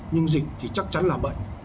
nhưng dịch thì chắc chắn là bệnh